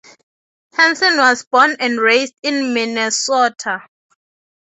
Hanson was born and raised in Minnesota.